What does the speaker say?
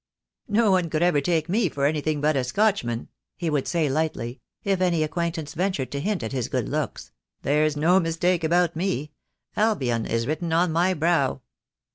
"No one would ever take me for anything but a Scotchman," he would say lightly, if any acquaintance ventured to hint at his good looks. "There's no mistake about me. Albion is written on my brow."